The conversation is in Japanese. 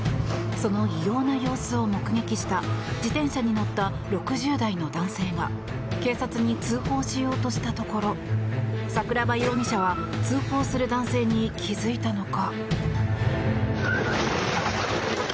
その異様な様子を目撃した自転車に乗った６０代の男性が警察に通報しようとしたところ桜庭容疑者は通報する男性に気付いたのか。